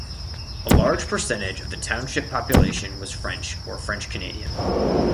A large percentage of the township population was French or French-Canadian.